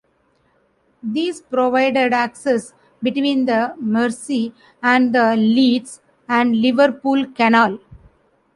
These provided access between the Mersey and the Leeds and Liverpool Canal.